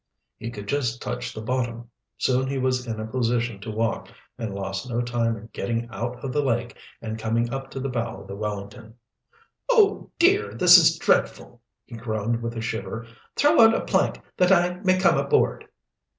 He could just touch the bottom. Soon he was in a position to walk, and lost no time in getting out of the lake and coming up to the bow of the Wellington. "Oh, dear, this is dreadful!" he groaned, with a shiver. "Throw out a plank that I may come onboard."